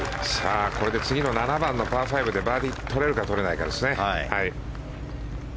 これで次の７番のパー５でバーディー取れるか取れないかですね。